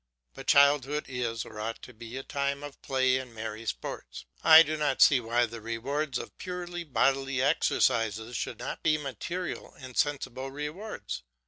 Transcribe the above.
But childhood is, or ought to be, a time of play and merry sports, and I do not see why the rewards of purely bodily exercises should not be material and sensible rewards.